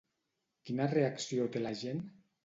Quina reacció té la gent?